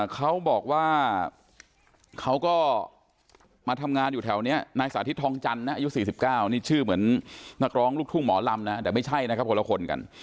เขาบอกว่าเขาก็มาทำงานอยู่แถวนี้นายสาธิตทองจันทร์นะอายุ๔๙นี่ชื่อเหมือนนักร้องลูกทุ่งหมอลำนะแต่ไม่ใช่นะครับคนละคนกัน